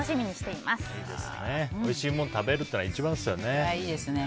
おいしいものを食べるのが一番ですよね。